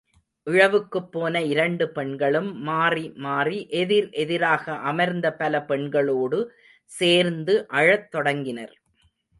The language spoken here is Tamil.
இழவுக்குப்போன இரண்டு பெண்களும் மாறி மாறி எதிர் எதிராக அமர்ந்த பல பெண்களோடு சேர்ந்து அழத் தொடங்கினர்.